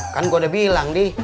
kan gua udah bilang dih